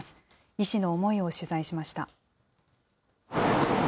医師の思いを取材しました。